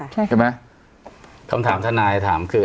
ใช่ค่ะเห็นมั้ยคำถามทนายถามคือ